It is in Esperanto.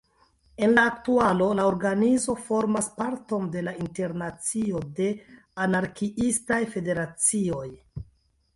En la aktualo la organizo formas parton de la Internacio de Anarkiistaj Federacioj.